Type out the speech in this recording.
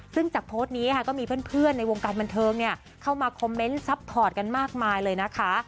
ซึ่งจากโพสต์นี้ค่ะก็มีเพื่อนในวงการบันเทิงเข้ามาคอมเมนต์ซัพพอร์ตกันมากมายเลยนะคะ